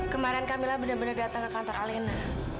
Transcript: kemarin camillah benar benar datang ke kantor alena